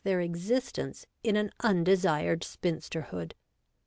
131 their existence in an undesired spinsterhood.